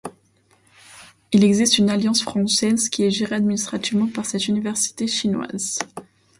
Il existe une Alliance française qui est gérée administrativement par cette université chinoise.